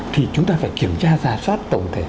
thì chúng ta phải kiểm tra giả soát tổng thể